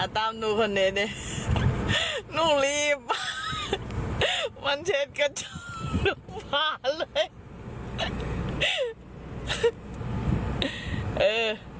ตามดูคนเนี่ยเนี่ยหนูรีบมันเช็ดกระจกหนูผ่านเลย